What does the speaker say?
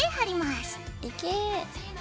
いけ。